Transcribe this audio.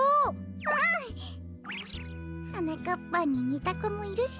うん！はなかっぱんににたこもいるし。